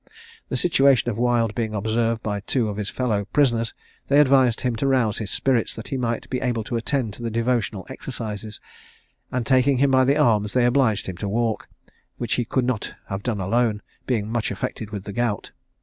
The situation of Wild being observed by two of his fellow prisoners, they advised him to rouse his spirits, that he might be able to attend to the devotional exercises; and taking him by the arms, they obliged him to walk, which he could not have done alone, being much afflicted with the gout.